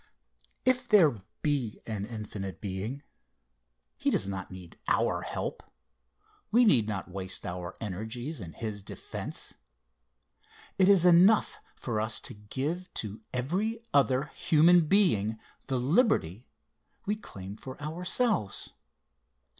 If there be an infinite Being, he does not need our help we need not waste our energies in his defence. It is enough for us to give to every other human being the liberty we claim for ourselves.